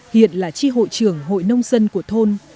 hiện là tri hội trưởng hội nông dân của thôn